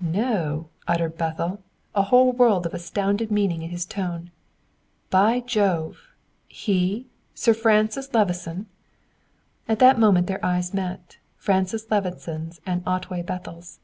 "No!" uttered Bethel, a whole world of astounded meaning in his tone. "By Jove! He Sir Francis Levison?" At that moment their eyes met, Francis Levison's and Otway Bethel's.